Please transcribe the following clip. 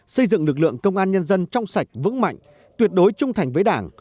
xây dựng lực lượng công an nhân dân trong sạch vững mạnh tuyệt đối trung thành với đảng